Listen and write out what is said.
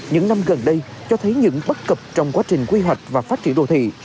những năm gần đây cho thấy những bất cập trong quá trình quy hoạch và phát triển đô thị